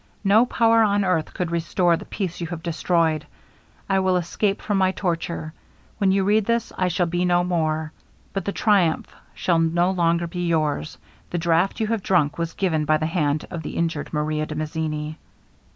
No power on earth could restore the peace you have destroyed. I will escape from my torture. When you read this, I shall be no more. But the triumph shall no longer be yours the draught you have drank was given by the hand of the injured MARIA DE MAZZINI.